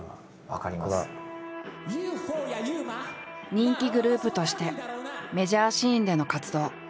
人気グループとしてメジャーシーンでの活動。